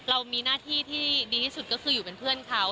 เรามีหน้าที่ที่ดีที่สุดก็คืออยู่เป็นเพื่อนเขา